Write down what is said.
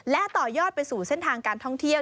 และต่อยอดไปสู่เส้นทางการท่องเที่ยว